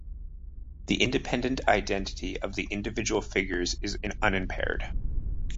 The independent identity of the individual figures is unimpaired.